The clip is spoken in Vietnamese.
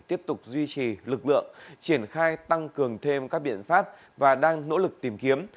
tiếp tục duy trì lực lượng triển khai tăng cường thêm các biện pháp và đang nỗ lực tìm kiếm